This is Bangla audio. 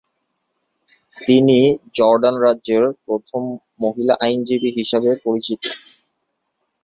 তিনি জর্ডান রাজ্যের প্রথম মহিলা আইনজীবী হিসাবে পরিচিত।